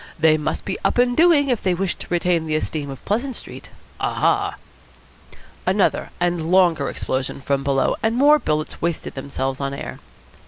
They must be up and doing if they wish to retain the esteem of Pleasant Street. Aha!" Another and a longer explosion from below, and more bullets wasted themselves on air.